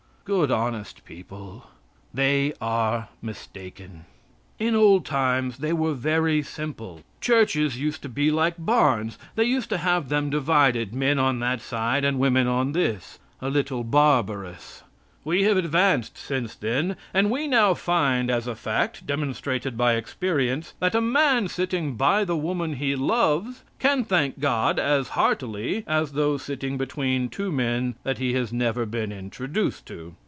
Good, honest people; they are mistaken. In old times they were very simple. Churches used to be like barns. They used to have them divided men on that side, and women on this. A little barbarous. We have advanced since then, and we now find as a fact, demonstrated by experience, that a man sitting by the woman he loves can thank God as heartily as though sitting between two men that he has never been introduced to.